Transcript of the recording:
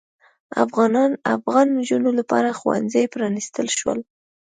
افغان نجونو لپاره ښوونځي پرانیستل شول.